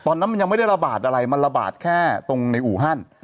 ตอนนั้นมันยังไม่ได้ระบาดอะไรมันระบาดแค่ตรงในอู่ฮั่น